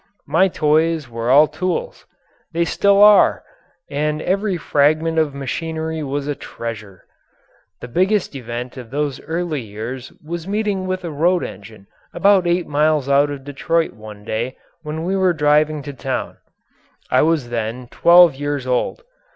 My toys were all tools they still are! And every fragment of machinery was a treasure. The biggest event of those early years was meeting with a road engine about eight miles out of Detroit one day when we were driving to town. I was then twelve years old.